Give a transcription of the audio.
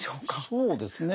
そうですね。